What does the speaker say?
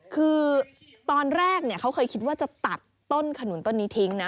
คือตอนแรกเขาเคยคิดว่าจะตัดต้นขนุนต้นนี้ทิ้งนะ